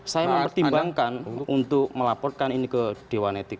saya mempertimbangkan untuk melaporkan ini ke dewan etik